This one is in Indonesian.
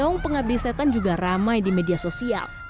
daung penghabis setan juga ramai di media sosial